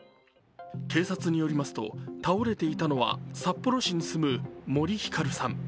警察によりますと倒れていたのは札幌市に住む森ひかるさん。